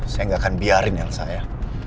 saya gak akan biarin elsa ya